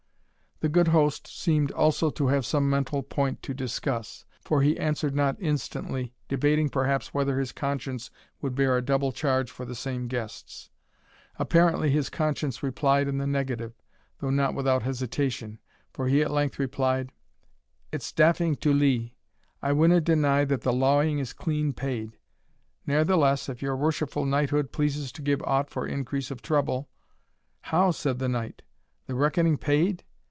The good host seemed also to have some mental point to discuss, for he answered not instantly, debating perhaps whether his conscience would bear a double charge for the same guests. Apparently his conscience replied in the negative, though not without hesitation, for he at length replied "It's daffing to lee; it winna deny that the lawing is clean paid. Ne'ertheless, if your worshipful knighthood pleases to give aught for increase of trouble " "How!" said the knight; "the reckoning paid?